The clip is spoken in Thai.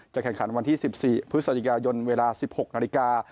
แข่งขันวันที่๑๔พฤศจิกายนเวลา๑๖นาฬิกา